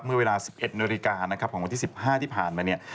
เมื่อเวลา๑๑นของวันที่๑๕ที่ผ่านมา